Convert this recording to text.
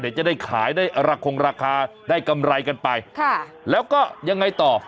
เดี๋ยวจะได้ขายได้ระคงราคาได้กำไรกันไปค่ะแล้วก็ยังไงต่อ